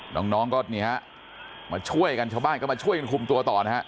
น้องก็นี่ฮะมาช่วยกันชาวบ้านก็มาช่วยกันคุมตัวต่อนะฮะ